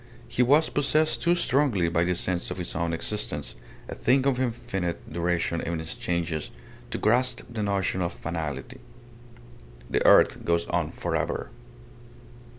He was possessed too strongly by the sense of his own existence, a thing of infinite duration in its changes, to grasp the notion of finality. The earth goes on for ever.